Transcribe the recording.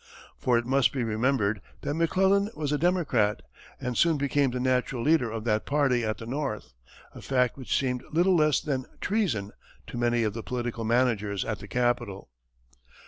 For it must be remembered that McClellan was a Democrat, and soon became the natural leader of that party at the North a fact which seemed little less than treason to many of the political managers at the Capital.